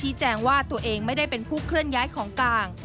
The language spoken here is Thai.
แจ้งว่าตัวเองไม่ได้เป็นผู้เคลื่อนย้ายของกลาง